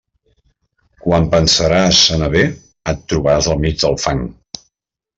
Quan pensaràs anar bé, et trobaràs al mig del fang.